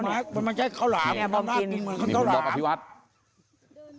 มันไม่ใช่ข้าวหลามมันคือข้าวหลาม